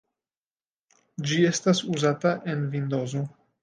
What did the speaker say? Ĝi estas uzata en Vindozo.